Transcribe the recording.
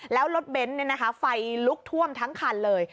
แล้วรถเบนท์ไฟลุกท่วมทั้งคันเลย